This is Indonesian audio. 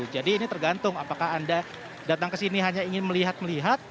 jadi ini tergantung apakah anda datang ke sini hanya ingin melihat melihat